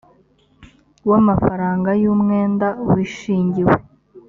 w amafaranga y umwenda wishingiwe